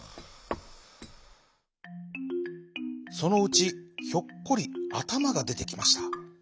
そのうちヒョッコリあたまがでてきました。